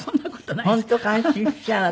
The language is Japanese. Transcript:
本当感心しちゃう私。